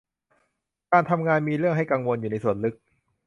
การทำงานมีเรื่องให้กังวลอยู่ในส่วนลึก